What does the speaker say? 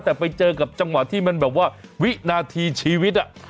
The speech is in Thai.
แต่ไปเจอกับจังหวะที่มันวินาทีชีวิตอ่ะ